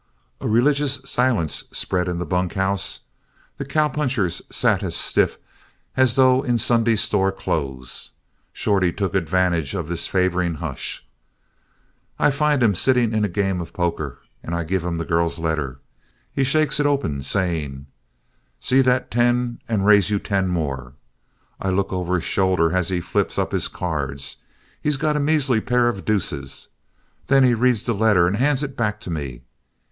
A religious silence spread in the bunkhouse. The cowpunchers sat as stiff as though in Sunday store clothes. Shorty took advantage of this favoring hush. "I find him sitting in at a game of poker and I give him the girl's letter. He shakes it open saying: 'See that ten and raise you ten more.' I look over his shoulder as he flips up his cards. He's got a measly pair of deuces! Then he reads the letter and hands it back to me.